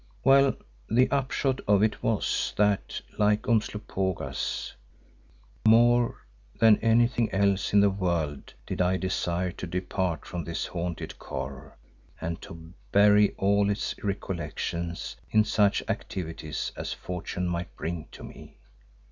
Well, the upshot of it was that, like Umslopogaas, more than anything else in the world did I desire to depart from this haunted Kôr and to bury all its recollections in such activities as fortune might bring to me.